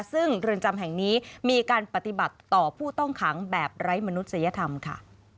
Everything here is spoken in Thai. ซึ่งเรือนจำแห่งนี้มีการปฏิบัติต่อผู้ต้องขังแบบไร้มนุษยธรรมค่ะ